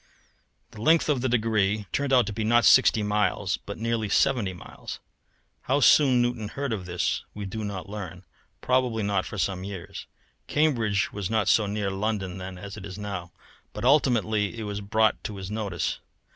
The length of the degree turned out to be not sixty miles, but nearly seventy miles. How soon Newton heard of this we do not learn probably not for some years, Cambridge was not so near London then as it is now, but ultimately it was brought to his notice.